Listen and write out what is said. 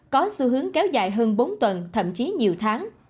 có xu hướng kéo dài hơn bốn tuần thậm chí nhiều tháng